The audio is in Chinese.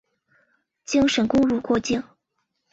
京沈公路过境。